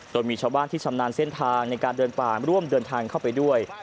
โดยมีชาวบ้านที่ชำนาญเส้นทางในการเดินป่าร่วมเดินทางเข้าไปด้วย